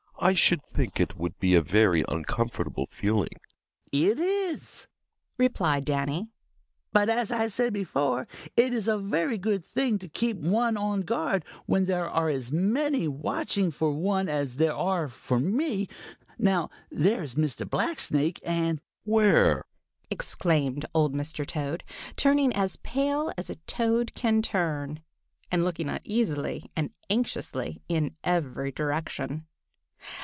I should think it would be a very uncomfortable feeling." "It is," replied Danny, "but, as I said before, it is a very good thing to keep one on guard when there are so many watching for one as there are for me. Now there's Mr. Blacksnake and—" "Where?" exclaimed old Mr. Toad, turning as pale as a Toad can turn, and looking uneasily and anxiously in every direction.